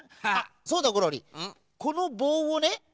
そうだゴロリこのぼうをね